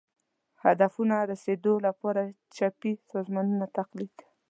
هدفونو رسېدو لپاره چپي سازمانونو تقلید